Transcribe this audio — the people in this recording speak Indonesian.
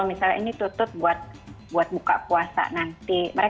misalnya ini tutup buat buka puasa nanti